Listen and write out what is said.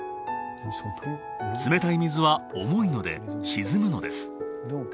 冷たい水は重いので沈むのです。